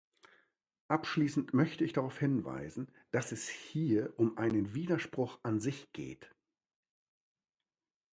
Abschließend möchte ich darauf hinweisen, dass es hier um einen Widerspruch an sich geht.